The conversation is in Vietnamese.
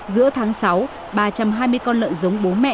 giữa tháng sáu ba trăm hai mươi con lợn giống bố mẹ